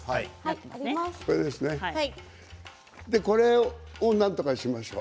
これをなんとかしましょう。